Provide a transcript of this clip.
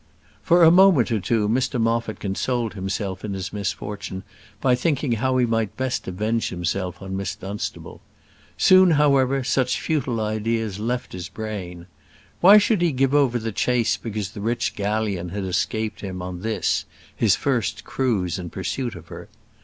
For a moment or two, Mr Moffat consoled himself in his misfortune by thinking how he might best avenge himself on Miss Dunstable. Soon, however, such futile ideas left his brain. Why should he give over the chase because the rich galleon had escaped him on this, his first cruise in pursuit of her?